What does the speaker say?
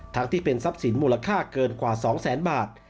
ทั้งที่เป็นทรัพย์สินมูลค่าเกินกว่า๒๐๐๐๐๐บาท